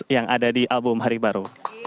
yang ada di album hari baru